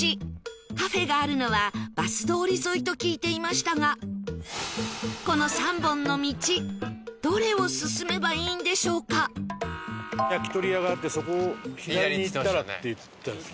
カフェがあるのはバス通り沿いと聞いていましたがこの「焼き鳥屋があってそこを左に行ったら」って言ってたんですよ。